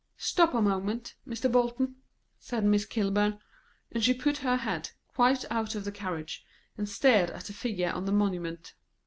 "Stop a moment, Mr. Bolton," said Miss Kilburn; and she put her head quite out of the carriage, and stared at the figure on the monument.